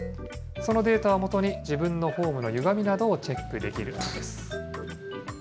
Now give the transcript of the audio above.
そのデータを基に、自分のフォームのゆがみなどをチェックできるんです。